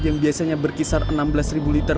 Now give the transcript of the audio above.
yang biasanya berkisar enam belas liter